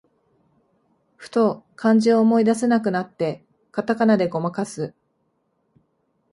ふと漢字を思い出せなくなって、カタカナでごまかす